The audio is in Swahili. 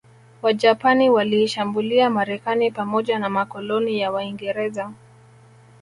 Wajapani waliishambulia Marekani pamoja na makoloni ya Waingereza